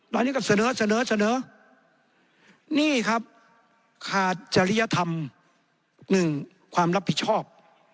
วันนี้ก็เสนอเสนอเสนอนี่ครับขาดจริยธรรมหนึ่งความรับผิดชอบ